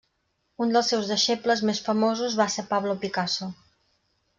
Un dels seus deixebles més famosos va ser Pablo Picasso.